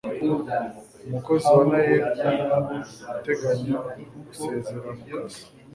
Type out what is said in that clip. umukozi wa naeb uteganya gusezera ku kazi